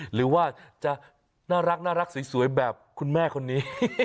หรือว่าจะน่ารักสวยแบบคุณแม่คนนี้